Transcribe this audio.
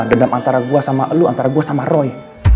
dendam antara gue sama lu antara gue sama roy